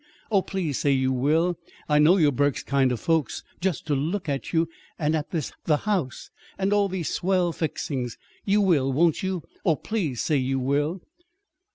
Oh, please say you will. I know you're Burke's kind of folks, just to look at you, and at this the house, and all these swell fixings! You will, won't you? Oh, please say you will!'"